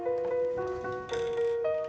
pokoknya jangan lupa kang